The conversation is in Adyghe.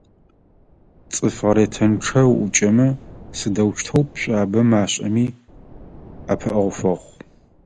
ЦӀыф гъэретынчъэ уӀукӀэмэ, сыдэущтэу пшӀуабэ машӀэми, ӀэпыӀэгъу фэхъу.